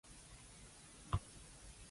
你唔知咩